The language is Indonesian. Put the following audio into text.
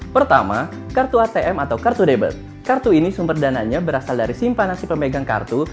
pertama kartu atm atau kartu debel kartu ini sumber dananya berasal dari simpanan si pemegang kartu